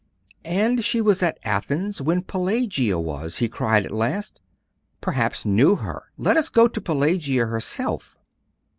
'And she was at Athens when Pelagia was' he cried at last 'perhaps knew her let us go to Pelagia herself!